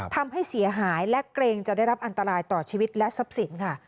ทำให้เสียหายและเกรงจะได้รับอันตรายต่อชีวิตและทรัพย์สินค่ะ